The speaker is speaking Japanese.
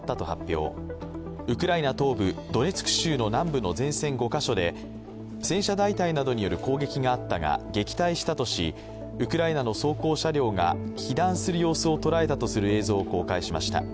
東部ドネツク州の南部の前線５か所で戦車大隊などによる攻撃があったが、撃退したとしウクライナの装甲車両が被弾する様子を捉えたとする映像を公開しました。